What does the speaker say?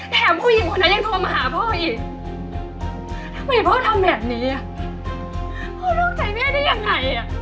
แถมผู้หญิงคนนั้นยังทวงมาหาพ่ออีกทำไมพ่อทำแบบนี้อ่ะ